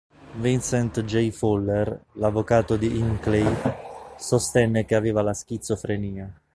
Vincent J. Fuller, l'avvocato di Hinckley, sostenne che aveva la schizofrenia.